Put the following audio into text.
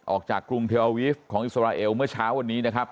กรุงเทลอาวีฟของอิสราเอลเมื่อเช้าวันนี้นะครับ